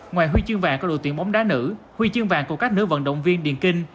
ngoài huy chương bạc của đội tuyển bóng đá nữ huy chương bạc của các nữ vận động viên điền kinh